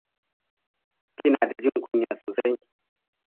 Kina da jin kunya sosai.